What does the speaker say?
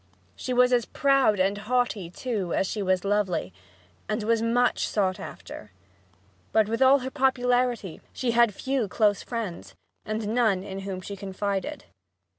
She was as proud and haughty, too, as she was lovely, and was much sought after. But with all her popularity she had few close friends, and no one in whom she confided.